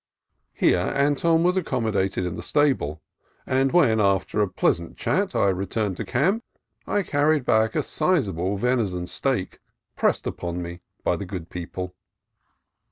Here Anton was accommodated in the stable, and when, after a pleasant chat, I returned to camp, I carried back a sizable venison steak, pressed upon me by the good people.